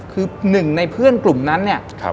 คือหนึ่งในเพื่อนกลุ่มนั้นเนี่ย